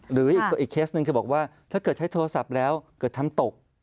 หรืออีกเคสหนึ่งคือบอกว่าถ้าเกิดใช้โทรศัพท์แล้วเกิดทำตก